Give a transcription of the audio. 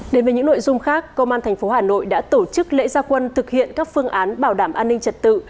đến với những nội dung khác công an tp hà nội đã tổ chức lễ gia quân thực hiện các phương án bảo đảm an ninh trật tự